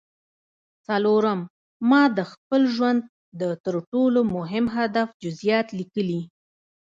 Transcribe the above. څلورم ما د خپل ژوند د تر ټولو مهم هدف جزييات ليکلي.